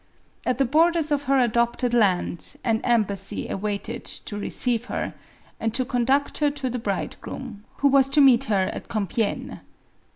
At the borders of her adopted land, an em bassy awaited to receive her, and to conduct her to the bridegroom, who was to meet her at Compiegne.